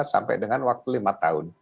sampai dengan waktu lima tahun